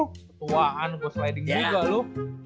ketuaan gue sliding juga loh